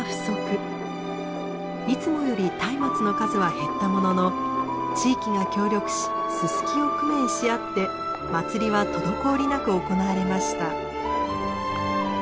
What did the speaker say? いつもより松明の数は減ったものの地域が協力しススキを工面し合って祭りは滞りなく行われました。